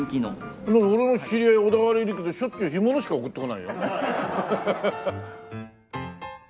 俺の知り合い小田原いるけどしょっちゅう干物しか送ってこないよ。